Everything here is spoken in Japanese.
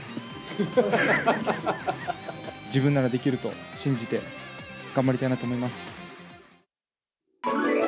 自分ならできると信じて、頑張りたいなと思います。